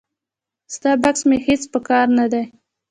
ستا بکس مې هیڅ په کار نه دی.